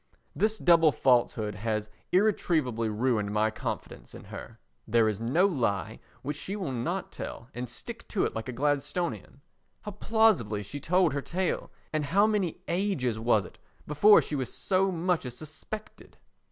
This double falsehood has irretrievably ruined my confidence in her. There is no lie which she will not tell and stick to like a Gladstonian. How plausibly she told her tale, and how many ages was it before she was so much as suspected!